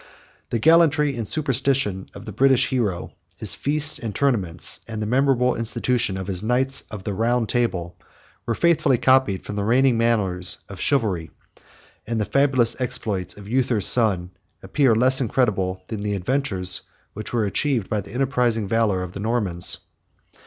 The gallantry and superstition of the British hero, his feasts and tournaments, and the memorable institution of his Knights of the Round Table, were faithfully copied from the reigning manners of chivalry; and the fabulous exploits of Uther's son appear less incredible than the adventures which were achieved by the enterprising valor of the Normans.